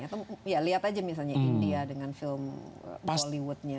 atau ya lihat aja misalnya india dengan film hollywoodnya